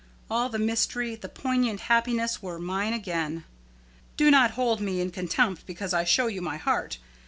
All the mystery, the poignant happiness were mine again. Do not hold me in contempt because I show you my heart.